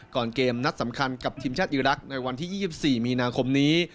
เกมนัดสำคัญกับทีมชาติอีรักษ์ในวันที่๒๔มีนาคมนี้